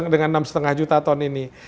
dengan enam lima juta ton ini